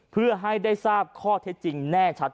เพื่อให้ได้ทราบข้อเท็จจริงแน่ชัด